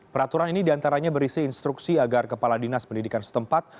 peraturan ini diantaranya berisi instruksi agar kepala dinas pendidikan setempat